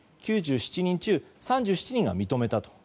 ９７人中３７人が認めたと。